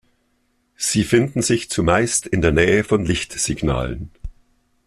Sie finden sich zumeist in der Nähe von Lichtsignalen.